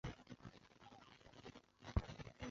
江西乡试第五名。